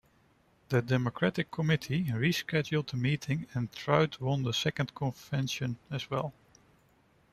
The Democratic Committee rescheduled the meeting and Truitt won the second convention as well.